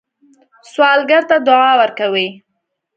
سوالګر ته دعا ورکوئ